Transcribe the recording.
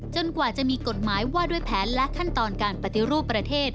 กว่าจะมีกฎหมายว่าด้วยแผนและขั้นตอนการปฏิรูปประเทศ